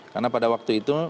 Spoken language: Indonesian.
karena pada waktu itu